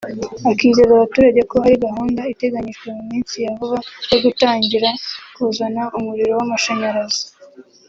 akizeza abaturage ko hari gahunda iteganyijwe mu minsi ya vuba yo gutangira kuzana umuriro w’amashanyarazi